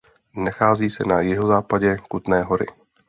Nachází se na jihozápadě Kutné Hory.